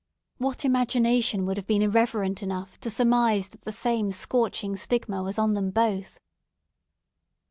What imagination would have been irreverent enough to surmise that the same scorching stigma was on them both!